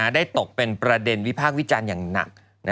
ได้ตกเป็นประเด็นวิพากษ์วิจารณ์อย่างหนัก